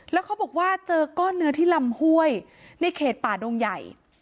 แล้วเขาบอกว่าเจอก้อนเนื้อที่ลำห้วยในเขตป่าดงใหญ่